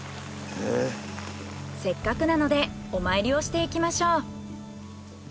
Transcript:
せっかくなのでお参りをしていきましょう。